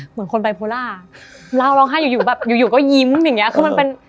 เหมือนคนไบโพล่าร้องไห้อยู่อยู่แบบอยู่อยู่ก็ยิ้มอย่างเงี้คือมันเป็น